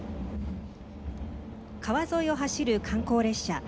川沿いを走る観光列車。